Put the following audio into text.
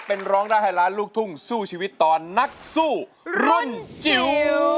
เป็นร้องได้ให้ล้านลูกทุ่งสู้ชีวิตตอนนักสู้รุ่นจิ๋ว